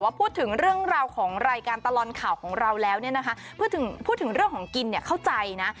พูดถึงเรื่องราวของรายการตลอดข่าวของเราแล้วเนี่ยนะคะพูดถึงเรื่องของกินเนี่ยเข้าใจนะ